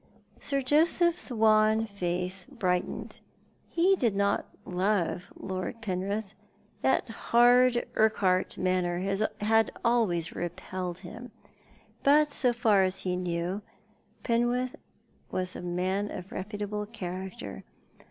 Sir Joseph's wan face brightened. He did not love Lord Penrith— that hard Urquhart manner had always repelled him; but so far as he knew Penrith was a man of reputable character.